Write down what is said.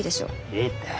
いいって。